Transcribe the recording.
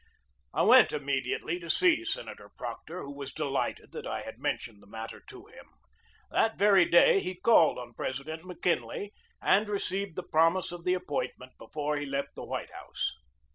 I went immediately to see Senator Proctor, who COMMAND OF ASIATIC SQUADRON 169 was delighted that I had mentioned the matter to him. That very day he called on President Mo Kinley and received the promise of the appointment before he left the White House.